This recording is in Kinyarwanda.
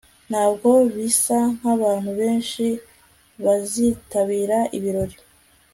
ntabwo bisa nkabantu benshi bazitabira ibirori